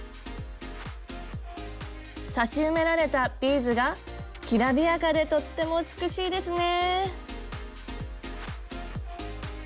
刺し埋められたビーズがきらびやかでとっても美しいですね。